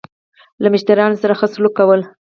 له مشتريانو سره خه سلوک کول